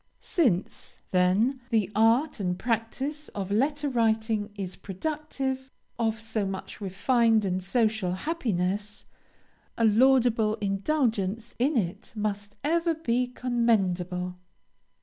Since, then, the art and practice of letter writing is productive of so much refined and social happiness, a laudable indulgence in it must ever be commendable.